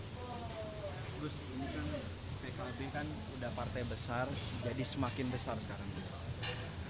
terus ini kan pkb kan sudah partai besar jadi semakin besar sekarang ini